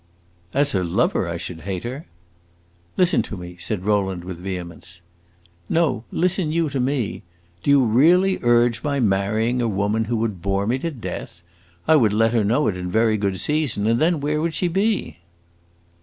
"As her lover, I should hate her!" "Listen to me!" said Rowland with vehemence. "No, listen you to me! Do you really urge my marrying a woman who would bore me to death? I would let her know it in very good season, and then where would she be?"